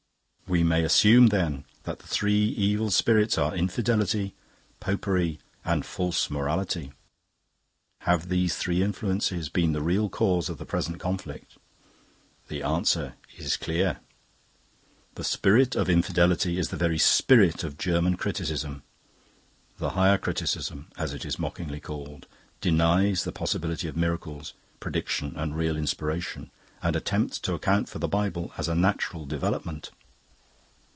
"We may assume, then, that the three evil spirits are Infidelity, Popery, and False Morality. Have these three influences been the real cause of the present conflict? The answer is clear. "The spirit of Infidelity is the very spirit of German criticism. The Higher Criticism, as it is mockingly called, denies the possibility of miracles, prediction, and real inspiration, and attempts to account for the Bible as a natural development.